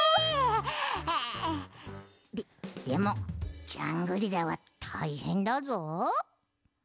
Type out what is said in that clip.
ででもジャングリラはたいへんだぞ。